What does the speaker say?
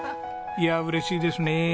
いや嬉しいですね。